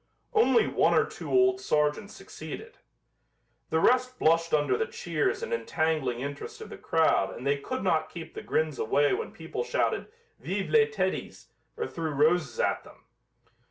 Only one or two old sergeants succeeded. The rest blushed under the cheers and entangling interest of the crowd and they could not keep the grins away when people shouted "Vive les Teddies" or threw roses at them.